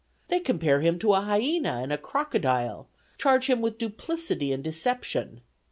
They compare him to a hyena and a crocodile; charge him with duplicity and deception.